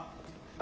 あ。